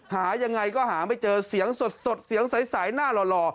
หายังไงก็หาไม่เจอเสียงสดเสียงใสหน้าหล่อ